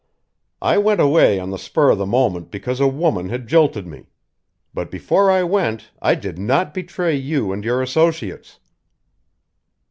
I went away on the spur of the moment because a woman had jilted me. But before I went, I did not betray you and your associates."